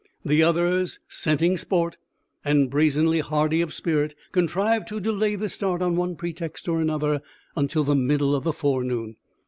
The others, scenting sport, and brazenly hardy of spirit, contrived to delay the start on one pretext or another until the middle of the forenoon.